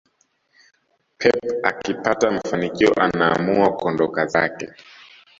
pep akipata mafanikio anaamua kuondoka zake